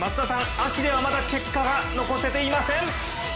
秋ではまだ結果が残せていません。